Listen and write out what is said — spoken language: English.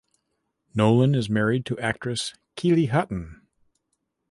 Nolan is married to actress Keely Hutton.